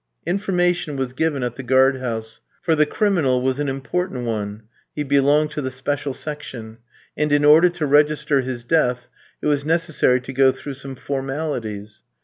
Information was given at the guard house; for the criminal was an important one (he belonged to the special section), and in order to register his death it was necessary to go through some formalities.